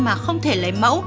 mà không thể lấy mẫu